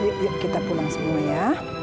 ya udah kita pulang semua ya